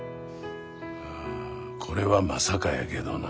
まあこれはまさかやけどな。